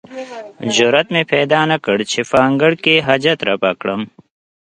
جرئت مې پیدا نه کړ چې په انګړ کې حاجت رفع کړم.